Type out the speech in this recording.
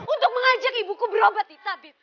untuk mengajak ibuku berobat di tabib